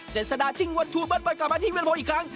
เจนสดาชิงวันทวนเบิดบนกลับมาที่วิรพงศ์อีกครั้ง